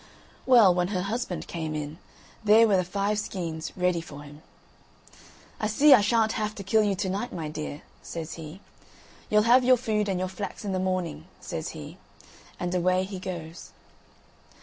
Well, when her husband came in, there were the five skeins ready for him. "I see I shan't have to kill you to night, my dear," says he; "you'll have your food and your flax in the morning," says he, and away he goes.